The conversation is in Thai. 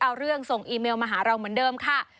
เอาเรื่องส่งอีเมลมาหาเราเหมือนเดิมค่ะ